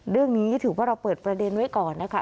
เรื่องนี้ถือว่าเราเปิดประเด็นไว้ก่อนนะคะ